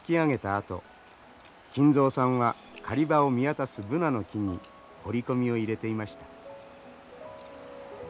あと金蔵さんは狩り場を見渡すブナの木に彫り込みを入れていました。